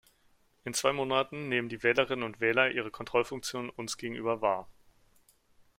In zwei Monaten nehmen die Wählerinnen und Wähler ihre Kontrollfunktion uns gegenüber wahr.